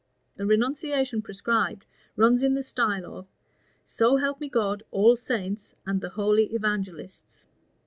The renunciation prescribed runs in the style of, "So help me God, all saints, and the holy evangelists."